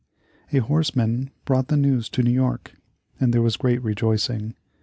A horseman brought the news to New York, and there was great rejoicing.